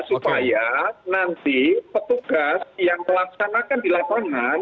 supaya nanti petugas yang melaksanakan di lapangan